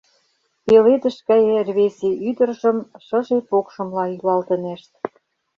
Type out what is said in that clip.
Пеледыш гае рвезе ӱдыржым шыже покшымла йӱлалтынешт.